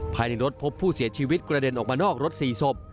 ภายในรถพบผู้เสียชีวิตกระเด็นออกมานอกรถ๔ศพ